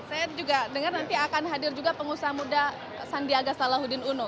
saya juga dengar nanti akan hadir juga pengusaha muda sandiaga salahuddin uno